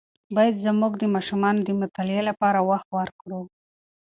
باید زموږ د ماشومانو د مطالعې لپاره وخت ورکړو.